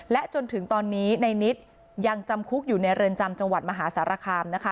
และจนถึงตอนนี้ในนิดยังจำคุกอยู่ในเรือนจำจังหวัดมหาสารคามนะคะ